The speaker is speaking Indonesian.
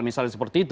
misalnya seperti itu